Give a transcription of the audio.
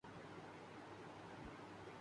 افسانہ کسی فرد کے زندگی